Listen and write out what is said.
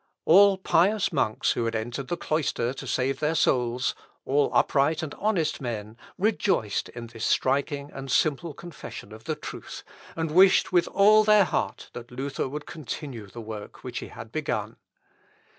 All pious monks who had entered the cloister to save their soul, all upright and honest men, rejoiced in this striking and simple confession of the truth, and wished with all their heart that Luther would continue the work which he had begun.